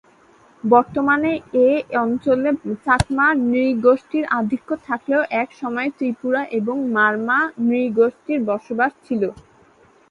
বর্তমানে এ অঞ্চলে চাকমা নৃ-গোষ্ঠীর আধিক্য থাকলেও একসময়ে ত্রিপুরা এবং মারমা নৃ-গোষ্ঠীর বসবাস ছিল।